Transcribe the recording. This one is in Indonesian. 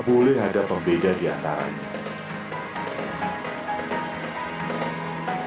sudah ada daerah dari mana kalian berasal